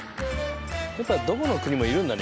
やっぱどこの国もいるんだね